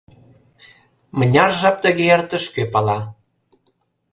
Мыняр жап тыге эртыш, кӧ пала.